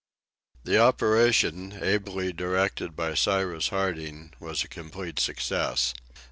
The operation, ably directed by Cyrus Harding, was a complete success.